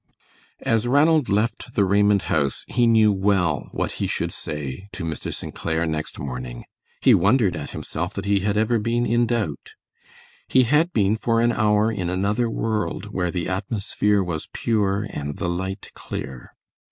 As Ranald left the Raymond house he knew well what he should say to Mr. St. Clair next morning. He wondered at himself that he had ever been in doubt. He had been for an hour in another world where the atmosphere was pure and the light clear.